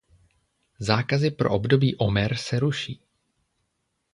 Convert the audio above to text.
Zákazy pro období omer se ruší.